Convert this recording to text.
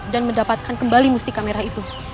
dan mendapatkan kembali musti kamera itu